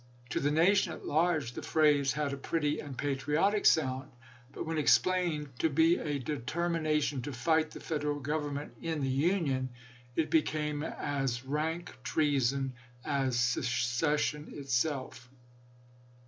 To the nation at large the phrase had a pretty and patriotic sound ; but when ex plained to be a determination to fight the Fed eral Government " in the Union," it became as rank treason as secession itself.